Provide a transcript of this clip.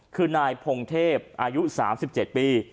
คือนายพงเทพอายุ๓๗ปี